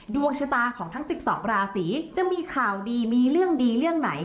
ดวงชะตาของทั้ง๑๒ราศีจะมีข่าวดีมีเรื่องดีเรื่องไหน